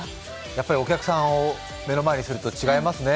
やっぱりお客さんを目の前にすると違いますね。